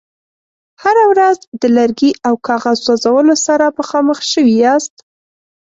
هره ورځ د لرګي او کاغذ سوځولو سره مخامخ شوي یاست.